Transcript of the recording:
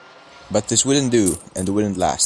But this wouldn't do — and wouldn't last.